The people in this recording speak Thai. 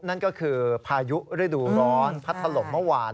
นั่นก็คือพายุฤดูร้อนพัดถล่มเมื่อวาน